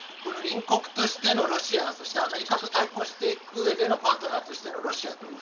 隣国としてのロシア、そしてアメリカと対抗していく上でのパートナーとしてのロシア。